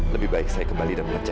saya kembali dan meleceh